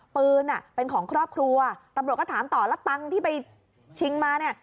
เป็นของครอบครัวตำรวจก็ถามต่อแล้วตังค์ที่ไปชิงมาเนี่ย